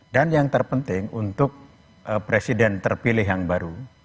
dan yang terpenting untuk presiden terpilih yang baru